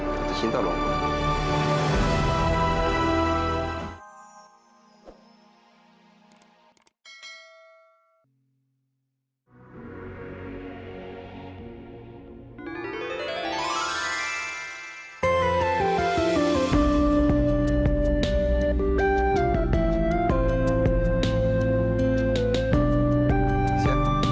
jatuh cinta loh